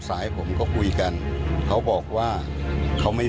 มีความรู้สึกว่าเมืองก็ว่าเสียใจ